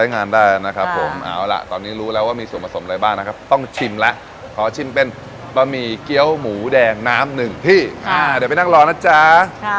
น้ำหนึ่งพี่ค่ะเดี๋ยวไปนั่งรอนะจ๊ะค่ะ